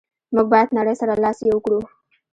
موږ باید نړی سره لاس یو کړو.